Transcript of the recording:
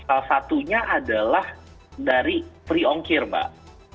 salah satunya adalah dari priongkir mbak